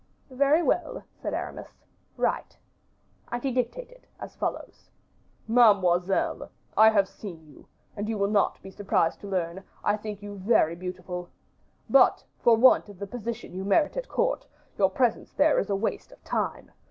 "Very well," said Aramis, "write." And he dictated, as follows: "Mademoiselle I have seen you and you will not be surprised to learn, I think you very beautiful. But, for want of the position you merit at court, your presence there is a waste of time.